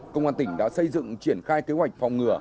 công an tỉnh đã xây dựng triển khai kế hoạch phòng ngừa